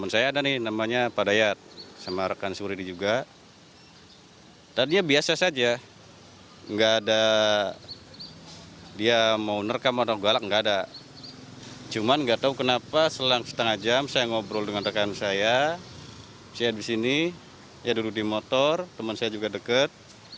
saya di sini dia duduk di motor teman saya juga dekat